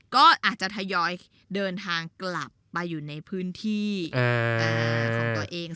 ก็อาจจะทยอยเดินทางกลับไปอยู่ในพื้นที่ของตัวเอง